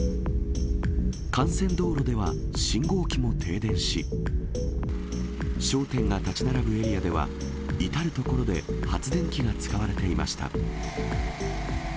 幹線道路では信号機も停電し、商店が建ち並ぶエリアでは、至る所で発電機が使われていまし